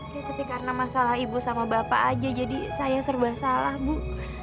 tapi karena masalah ibu sama bapak aja jadi saya serba salah bu